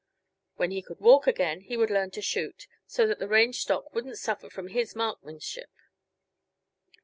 When he could walk again he would learn to shoot, so that the range stock wouldn't suffer from his marksmanship.